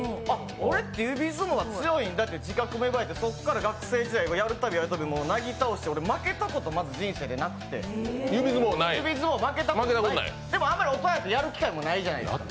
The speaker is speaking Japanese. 俺って指相撲強いんだって自覚芽生えて、そこから学生時代、やるたびやるたびなぎ倒して負けたこと人生で指相撲負けたことなくてでも、あまりやる機会っていうのもないじゃないですか。